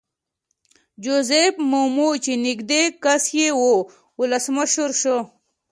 جوزیف مومو چې نږدې کس یې وو ولسمشر شو.